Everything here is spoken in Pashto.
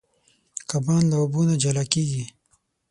کبان له اوبو نه جلا کېږي.